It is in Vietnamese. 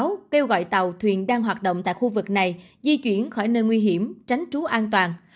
báo kêu gọi tàu thuyền đang hoạt động tại khu vực này di chuyển khỏi nơi nguy hiểm tránh trú an toàn